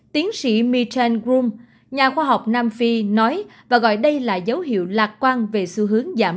tiến sĩ michel grum nhà khoa học nam phi nói và gọi đây là dấu hiệu lạc quan về xu hướng giảm